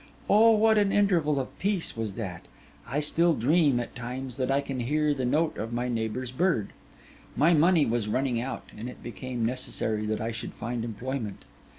Oh! what an interval of peace was that! I still dream, at times, that I can hear the note of my neighbour's bird. 'My money was running out, and it became necessary that I should find employment.